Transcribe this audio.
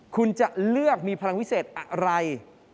คุณจะเลือกมีพลังวิเศษอะไร